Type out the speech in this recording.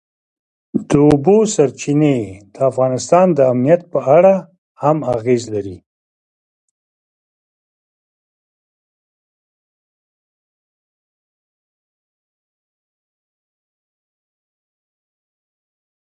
د اوبو سرچینې د افغانستان د امنیت په اړه هم اغېز لري.